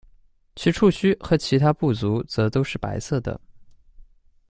其触须和其他步足则都是白色的。